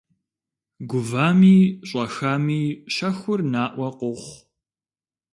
Гувами щӏэхами щэхур наӏуэ къохъу.